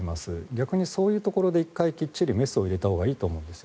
逆にそういうところで１回きっちりメスを入れたほうがいいと思うんです。